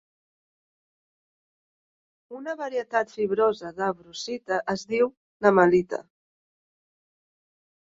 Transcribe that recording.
Una varietat fibrosa de brucita es diu nemalita.